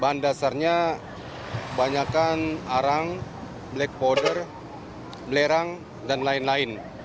bahan dasarnya banyakan arang black powder belerang dan lain lain